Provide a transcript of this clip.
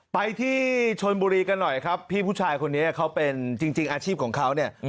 ไปที่ชนบุรีกันหน่อยครับพี่ผู้ชายคนนี้เขาเป็นจริงอาชีพของเขาเนี่ย